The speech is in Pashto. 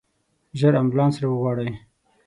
ژر امبولانس راوغواړئ.